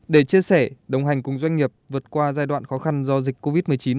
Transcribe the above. để chia sẻ đồng hành cùng doanh nghiệp vượt qua giai đoạn khó khăn do dịch covid một mươi chín